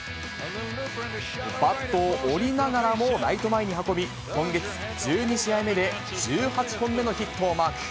バットを折りながらも、ライト前に運び、今月１２試合目で１８本目のヒットをマーク。